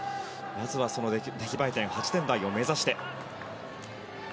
まずは出来栄え点８点台を目指して。